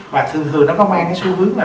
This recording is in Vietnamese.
và thường thường nó có mang cái xu hướng là